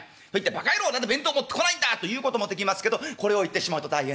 バカ野郎何で弁当持ってこないんだと言うこともできますけどこれを言ってしまうと大変ですね。